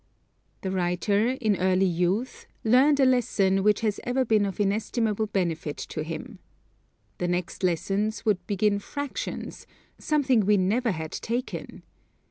The writer, in early youth, learned a lesson which has ever been of inestimable benefit to him. The next lessons would begin Fractions, something we never had taken.